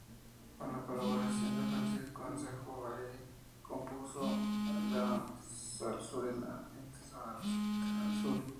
Con la colaboración de Francisco Asenjo Barbieri compuso la zarzuela "El Testamento Azul".